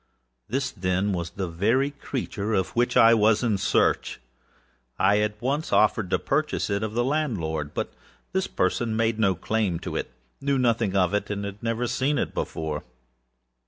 This, then, was the very creature of which I was in search. I at once offered to purchase it of the landlord; but this person made no claim to itâknew nothing of itâhad never seen it before.